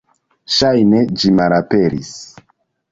Ŝajne ĝi malaperis.